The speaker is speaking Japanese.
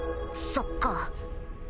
そっか。